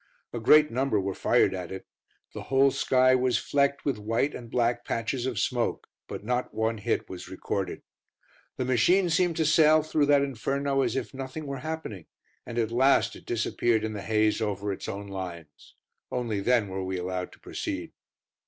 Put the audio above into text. A great number were fired at it. The whole sky was flecked with white and black patches of smoke, but not one hit was recorded. The machine seemed to sail through that inferno as if nothing were happening, and at last it disappeared in the haze over its own lines. Only then were we allowed to proceed.